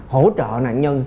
hỗ trợ nạn nhân